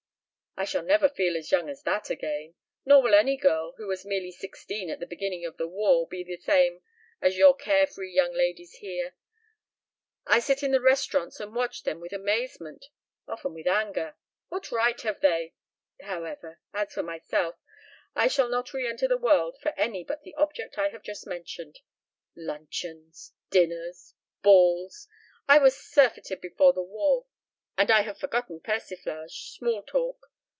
"I shall never feel as young as that again. Nor will any girl who was merely sixteen at the beginning of the war ever be the same as your care free young ladies here. I sit in the restaurants and watch them with amazement often with anger. What right have they ... however ... as for myself I shall not reenter the world for any but the object I have just mentioned. Luncheons! Dinners! Balls! I was surfeited before the war. And I have forgotten persiflage, small talk.